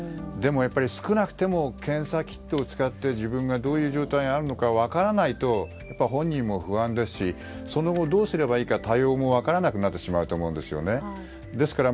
でも、少なくとも検査キットを使って自分がどういう状態であるのか分からないと本人も不安ですしその後どうすればいいか対応も分からなくなってしまうと思うんです。